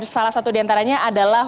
salah satu diantaranya adalah